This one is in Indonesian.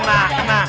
nah ini mereka